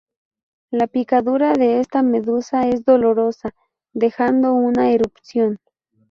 La picadura de esta medusa es dolorosa, dejando una erupción.